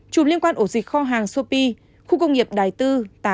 chủng liên quan ổ dịch kho hàng sô pi khu công nghiệp đài tư tám